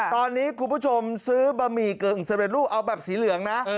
ตอนนี้คุณผู้ชมซื้อบะหมี่กึ่งสำเร็จลูกเอาแบบสีเหลืองนะ